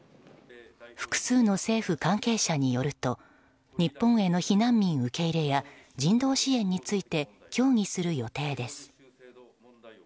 複数の政府関係者によると日本への避難民受け入れや人道支援について協議する予定です。